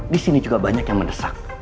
di sini juga banyak yang mendesak